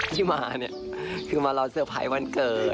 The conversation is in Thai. ที่มาเนี่ยคือมารอเซอร์ไพรส์วันเกิด